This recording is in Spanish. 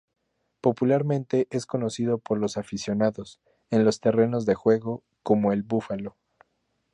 Popularmente es conocido por los aficionados, en los terrenos de juego, como "El Búfalo".